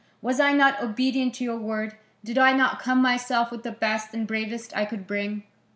Was I not obedient to your word? Did I not come myself with the best and bravest I could bring?"